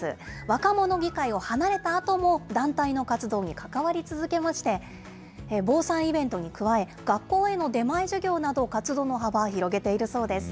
若者議会を離れたあとも、団体の活動に関わり続けまして、防災イベントに加え、学校への出前授業など、活動の幅を広げているそうです。